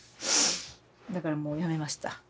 だからもうやめました。